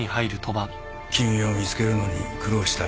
君を見つけるのに苦労したよ。